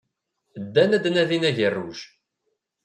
Ddan ad d-nadin agerruj.